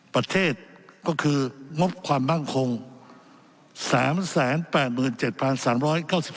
ประเทศก็คืองบความบ้างคงสามแสนแปดหมื่นเจ็ดพันสามร้อยเก้าสิบพัน